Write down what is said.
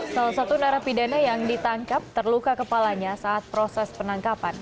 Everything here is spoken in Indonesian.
salah satu narapidana yang ditangkap terluka kepalanya saat proses penangkapan